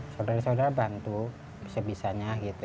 saudara saudara bantu sebisanya gitu